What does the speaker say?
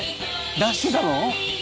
出してたの？